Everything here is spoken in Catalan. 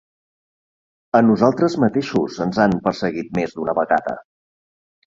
A nosaltres mateixos ens han perseguit més d'una vegada.